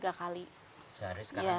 sekarang tepat casi harinya dikurangin